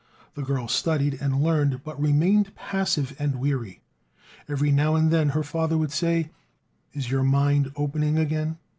The girl studied and learned, but remained passive and weary. Every now and then her father would say: "Is your mind opening again?"